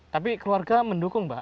tapi keluarga mendukung mbah